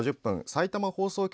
さいたま放送局